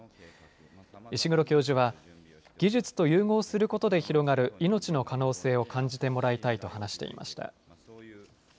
石黒教授は技術と融合することで広がる命の可能性を感じてもらいたいと話していました。